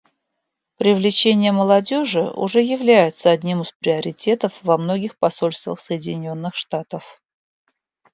Привлечение молодежи уже является одним из приоритетов во многих посольствах Соединенных Штатов.